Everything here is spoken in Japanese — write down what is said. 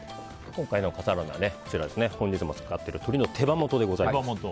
今回の笠原の眼は本日も使っている鶏の手羽元でございます。